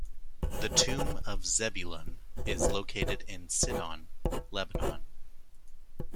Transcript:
The Tomb of Zebulun is located in Sidon, Lebanon.